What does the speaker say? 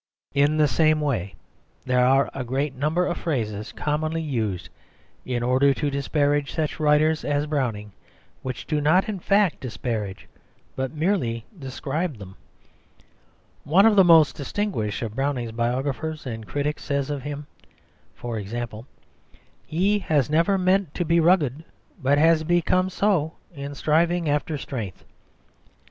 In the same way there are a great number of phrases commonly used in order to disparage such writers as Browning which do not in fact disparage, but merely describe them. One of the most distinguished of Browning's biographers and critics says of him, for example, "He has never meant to be rugged, but has become so in striving after strength."